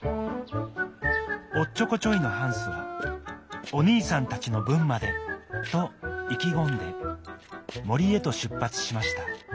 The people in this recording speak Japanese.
おっちょこちょいのハンスはおにいさんたちのぶんまで！といきごんでもりへとしゅっぱつしました。